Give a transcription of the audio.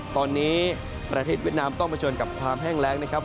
ตอนนี้ประเทศเวียดนามต้องเผชิญกับความแห้งแรงนะครับ